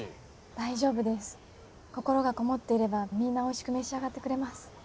大丈夫です心がこもっていればみんなおいしく召し上がってくれます。